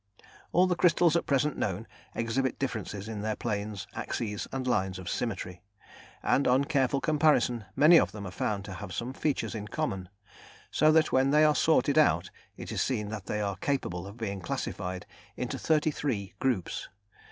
All the crystals at present known exhibit differences in their planes, axes and lines of symmetry, and on careful comparison many of them are found to have some features in common; so that when they are sorted out it is seen that they are capable of being classified into thirty three groups.